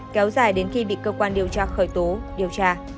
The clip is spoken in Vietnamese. kéo dài đến khi bị cơ quan điều tra khởi tố điều tra